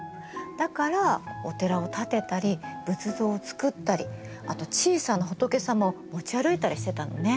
だからお寺を建てたり仏像をつくったりあと小さな仏様を持ち歩いたりしてたのね。